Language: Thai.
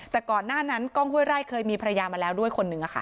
แต่ก่อนหน้านั้นกล้องห้วยไร่เคยมีภรรยามาแล้วด้วยคนหนึ่ง